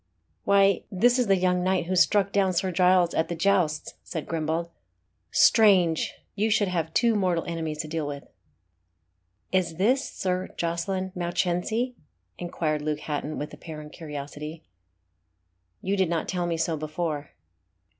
"Why, this is the young knight who struck down Sir Giles at the jousts," said Grimbald. "Strange! you should have two mortal enemies to deal with." "Is this Sir Jocelyn Mounchensey?" inquired Luke Hatton, with apparent curiosity. "You did not tell me so before."